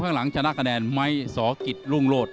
หลังชนะแกนไมค์สอกิษรุ่งโรด